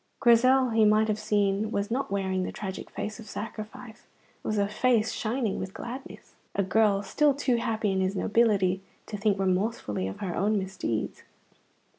Grizel, he might have seen, was not wearing the tragic face of sacrifice; it was a face shining with gladness, a girl still too happy in his nobility to think remorsefully of her own misdeeds.